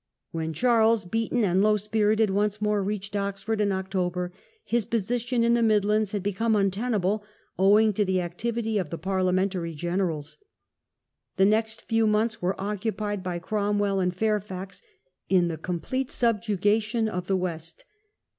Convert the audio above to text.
When Charles, beaten and low spirited, once more reached Oxford in October, his position in the Midlands had become untenable owing to the activity of the Parliamen tary generals. The next few months were occupied by Cromwell and Fairfax in the complete subjugation of the West.